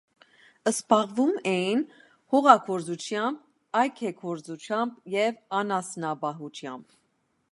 Զբաղվում էին հողագործությամբ, այգեգործությամբ և անասնապահությամբ։